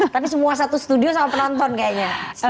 tapi semua satu studio sama penonton kayaknya